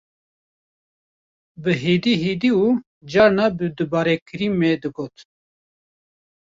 Bi hêdê hêdî û carna bi dubarekirî me digot